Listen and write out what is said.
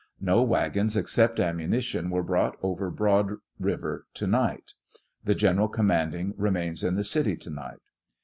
No wagons, except ammunition, were brought over Broad river to night. The General commanding re mains in the city to night.